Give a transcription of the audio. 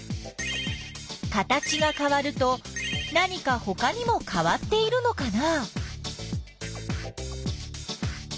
形がかわると何かほかにもかわっているのかな？